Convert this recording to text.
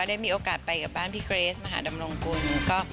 ได้มีโอกาสไปกับบ้านพี่เกรสมหาดำรงกุล